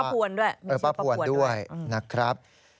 ป้าภวนด้วยมีชื่อป้าภวนด้วยนะครับนะครับ